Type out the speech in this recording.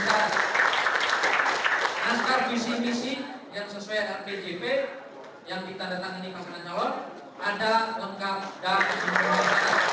teknologi anggar visi visi yang sesuai dengan ktp yang kita datangkan di pasangan calon ada lengkap dan menentukan